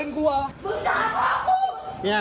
มึงด่าเพราะเขาเนี่ยมึงด่าเพราะเขาเนี่ยกูก็ได้ยินเนี่ย